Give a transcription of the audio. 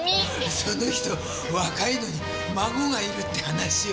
その人若いのに孫がいるって話よ。